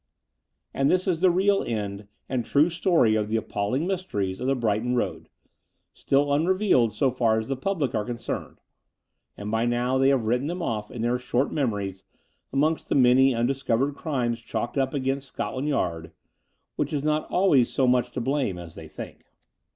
•••••«* And this is the real end and true story of the appalling mysteries of the Brighton Road, still im revealed so far as the public are concerned; and by now they have written them off in their short memories amongst the many imdiscovered crimes chalked up against Scotland Yard, which is not always so much to blame as they think.